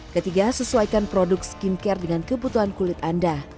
ketiga sesuaikan produk skincare dengan kebutuhan kulit anda